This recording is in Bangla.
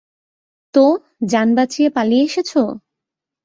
তো, জান বাঁচিয়ে পালিয়ে এসেছো?